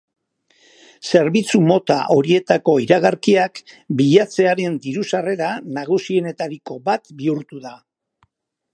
Zerbitzu mota horietako iragarkiak bilatzailearen diru-sarrera nagusienetariko bat bihurtu dira.